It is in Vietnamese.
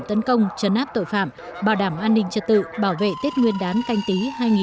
tấn công chấn áp tội phạm bảo đảm an ninh trật tự bảo vệ tết nguyên đán canh tí hai nghìn hai mươi